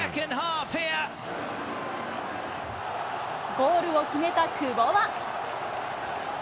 ゴールを決めた久保は。